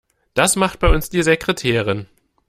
Das macht bei uns die Sekretärin.